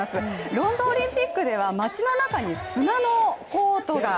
ロンドンオリンピックでは街の中に砂のコートが。